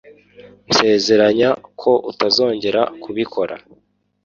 nsezeranya ko utazongera kubikora